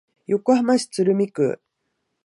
横浜市鶴見区